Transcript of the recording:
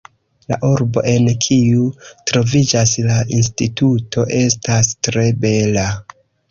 La urbo, en kiu troviĝas la instituto, estas tre bela!